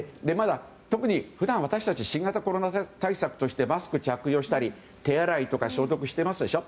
特に普段私たちはまだ新型コロナ対策としてマスク着用したり手洗いとか消毒をしてますでしょ。